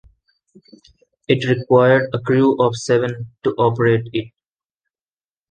It required a crew of seven to operate it.